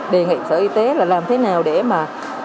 đề nghị sở y tế là làm thế nào để mà